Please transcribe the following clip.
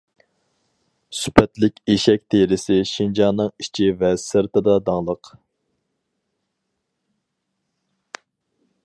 سۈپەتلىك ئېشەك تېرىسى شىنجاڭنىڭ ئىچى ۋە سىرتىدا داڭلىق.